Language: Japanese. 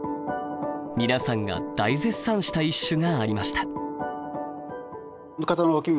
皆さんが大絶賛した一首がありました。